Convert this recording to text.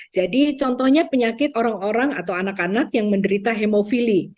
jadi contohnya penyakit orang orang atau anak anak yang menderita hemofili